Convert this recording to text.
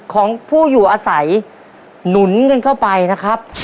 ของผู้อยู่อาศัยหนุนกันเข้าไปนะครับ